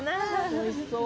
おいしそう。